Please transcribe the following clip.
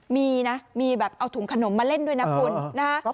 มีนะมีแบบเอาถุงขนมมาเล่นด้วยนะคุณนะฮะ